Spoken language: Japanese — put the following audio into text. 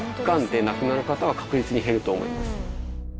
がんで亡くなる方は確実に減ると思います。